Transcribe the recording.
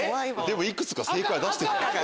いくつか正解出してた。